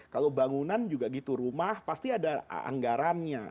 kalau bangunan juga gitu rumah pasti ada anggarannya